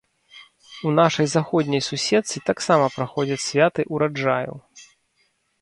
У нашай заходняй суседцы таксама праходзяць святы ўраджаю.